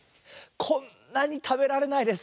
こんなにたべられないです。